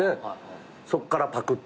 そっからパクって。